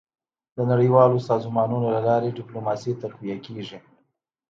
. د نړیوالو سازمانونو له لارې ډيپلوماسي تقویه کېږي.